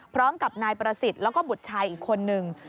พร้อมกับนายประสิทธิ์แล้วก็บุตรชายอีกคนนึง